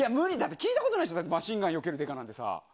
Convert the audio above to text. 聞いたことないし、マシンガンよけるデカなんてさ。